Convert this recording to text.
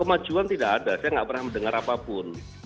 kemajuan tidak ada saya nggak pernah mendengar apapun